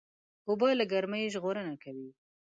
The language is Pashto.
اوبه له ګرمۍ ژغورنه کوي.